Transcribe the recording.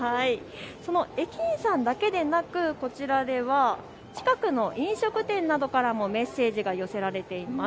駅員さんだけではなくこちらでは近くの飲食店などからもメッセージが寄せられています。